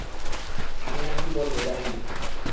আমি আর কি বলব জানি না।